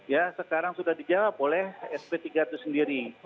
ya sekarang sudah dijawab oleh sp tiga itu sendiri